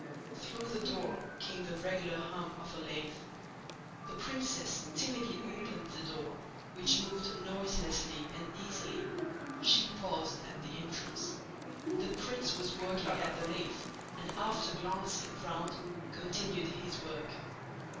Through the door came the regular hum of a lathe. The princess timidly opened the door which moved noiselessly and easily. She paused at the entrance. The prince was working at the lathe and after glancing round continued his work.